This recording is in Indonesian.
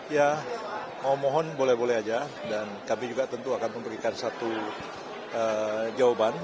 ya mohon boleh boleh aja dan kami juga tentu akan memberikan satu jawaban